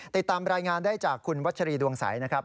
ติดตามรายงานได้จากคุณวัชรีดวงใสนะครับ